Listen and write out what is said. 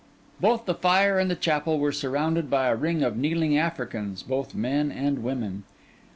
Both the fire and the chapel were surrounded by a ring of kneeling Africans, both men and women.